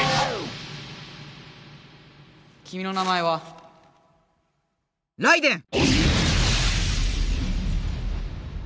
君の名前はライデェン！